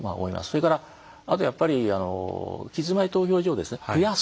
それからあとやっぱり期日前投票所をですね増やす。